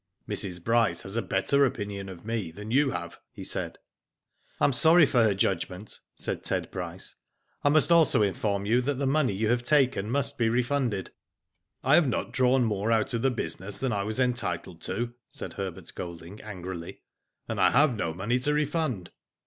Mrs. Bryce has a better opinion of me than you have," he said. '' I am sorry for her judgment," said Ted Bryce. " I must also inform you that the money you have la'<en must be refunded." " I have not drawn more out of the business than I was entitled to," said Herbert Golding, angrily, " and I have no money to refund."